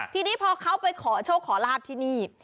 ทีนี้พอเขาไปขอโชคขอลาบที่นี่